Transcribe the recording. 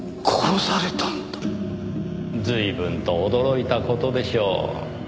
随分と驚いた事でしょう。